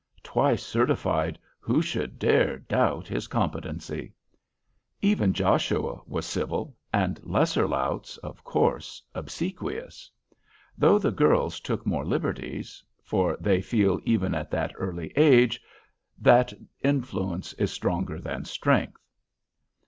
Twice certified, who should dare doubt his competency? Even Joshua was civil, and lesser louts of course obsequious; though the girls took more liberties, for they feel even at that early age, that influence is stronger than strength.